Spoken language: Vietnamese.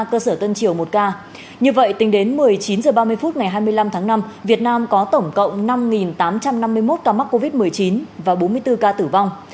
cơ sở tân triều một ca như vậy tính đến một mươi chín h ba mươi phút ngày hai mươi năm tháng năm việt nam có tổng cộng năm tám trăm năm mươi một ca mắc covid một mươi chín và bốn mươi bốn ca tử vong